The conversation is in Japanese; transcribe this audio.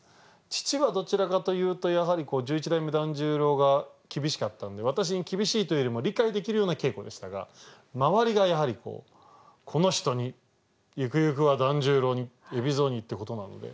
父はどちらかというとやはり十一代目團十郎が厳しかったんで私に厳しいというよりも理解できるような稽古でしたが周りがやはりこの人にゆくゆくは團十郎に海老蔵にってことなので